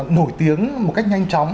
nổi tiếng một cách nhanh chóng